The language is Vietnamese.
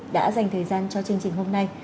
đã dành thời gian cho chương trình hôm nay